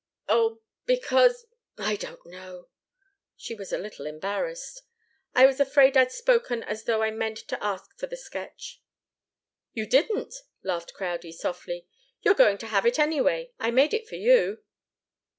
"Oh because I don't know!" She was a little embarrassed. "I was afraid I'd spoken as though I meant to ask for the sketch." "You didn't!" laughed Crowdie, softly. "You're going to have it anyway. I made it for you."